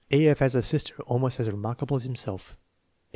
E. F. has a sister almost as remarkable as himself.